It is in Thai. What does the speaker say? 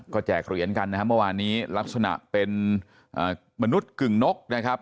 ก็แจกเหรียญกันนะครับเมื่อวานนี้ลักษณะเป็นมนุษย์กึ่งนกนะครับ